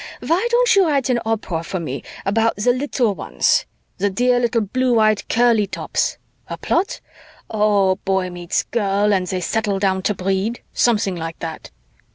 Why don't you write an opera for me about the little ones, the dear little blue eyed curly tops? A plot? Oh, boy meets girl and they settle down to breed, something like that.'